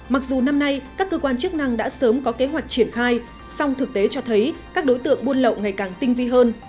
mặc dù năm nay các cơ quan chức năng đã sớm có kế hoạch triển khai song thực tế cho thấy các đối tượng buôn lậu ngày càng tinh vi hơn